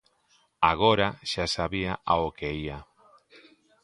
Agora xa sabía ao que ía.